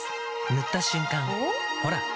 塗った瞬間おっ？